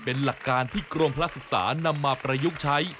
เป็นหลักการที่กรมพระศึกษานำมาประยุกต์ใช้